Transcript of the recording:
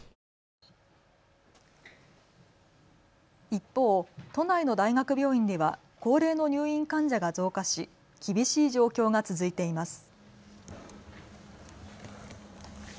一方、都内の大学病院では高齢の入院患者が増加し厳しい状況が続いています。